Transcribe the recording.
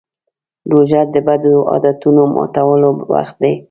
روژه د بدو عادتونو ماتولو وخت دی.